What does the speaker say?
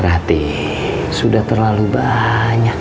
rati sudah terlalu banyak